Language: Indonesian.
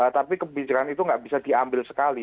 tapi kebijakan itu nggak bisa diambil sekali